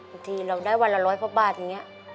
บางทีเราได้วันละร้อยพระบาทอย่างนี้